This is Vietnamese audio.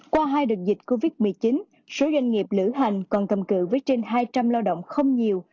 qua hai đợt dịch covid một mươi chín số doanh nghiệp lữ hành còn cầm cự với trên hai trăm linh lao động không nhiều